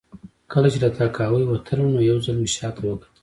کله چې له تهکوي وتلم نو یو ځل مې شا ته وکتل